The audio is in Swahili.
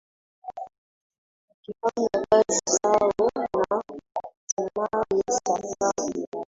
wakifanya kazi zao Na hatimaye safari yake